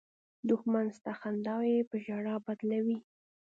دښمن ستا خنداوې په ژړا بدلوي